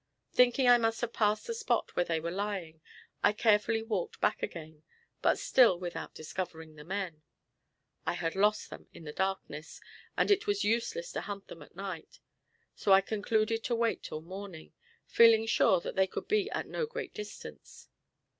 Thinking I must have passed the spot where they were lying, I carefully walked back again, but still without discovering the men. I had lost them in the darkness, and it was useless to hunt them at night. So I concluded to wait till morning, feeling sure that they could be at no great distance.